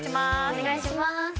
お願いします。